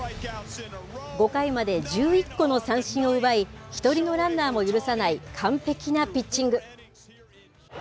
５回まで１１個の三振を奪い、１人のランナーも許さない完璧なピッチング。